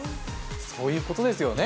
そういうことですよね。